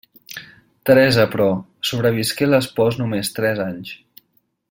Teresa, però, sobrevisqué l'espòs només tres anys.